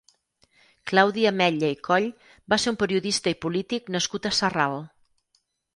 Claudi Ametlla i Coll va ser un periodista i polític nascut a Sarral.